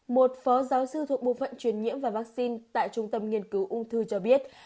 một phó giáo sư thuộc bộ phận truyền nhiễm và vaccine tại trung tâm nghiên cứu ung thư cho biết